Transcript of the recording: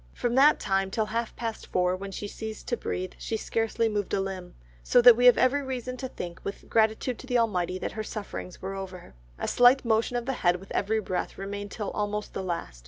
From that time till half past four when she ceased to breathe, she scarcely moved a limb, so that we have every reason to think with gratitude to the Almighty, that her sufferings were over. A slight motion of the head with every breath remained till almost the last.